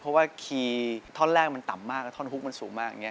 เพราะว่าคีย์ท่อนแรกมันต่ำมากและท่อนฮุกมันสูงมาก